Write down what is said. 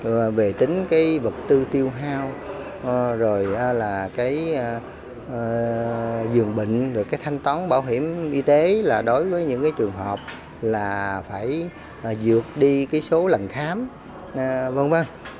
về tính cái vật tư tiêu hao rồi là cái dường bệnh rồi cái thanh toán bảo hiểm y tế là đối với những cái trường hợp là phải dược đi cái số lần khám v v